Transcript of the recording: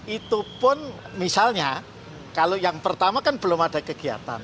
itu pun misalnya kalau yang pertama kan belum ada kegiatan